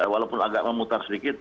walaupun agak memutar sedikit